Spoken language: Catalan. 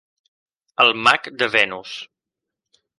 "El Mag de Venus".